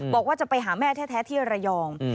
บอกว่าจะไปหาแม่แท้ที่ระยอง